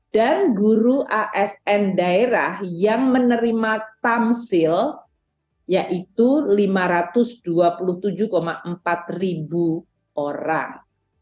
dan guru asn daerah yang menerima tamsil yaitu lima ratus dua puluh tujuh empat ribu orang